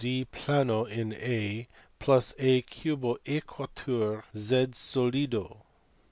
D piano in A + A cubo aequatur Z solido.